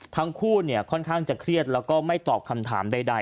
ทั้งคู่ค่อนข้างจะเครียดแล้วก็ไม่ตอบคำถามใด